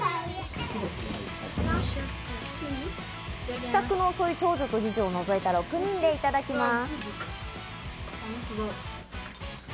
帰宅の遅い長女と二女をのぞいた６人でいただきます。